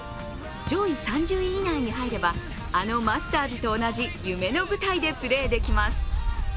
上位３０位以内に入れば、あのマスターズと同じ夢の舞台でプレーできます。